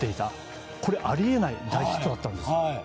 これありえない大ヒットだったんです